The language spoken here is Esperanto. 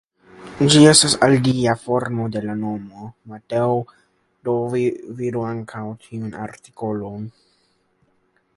Ĝi estas alia formo de la nomo Mateo, do vidu ankaŭ tiun artikolon.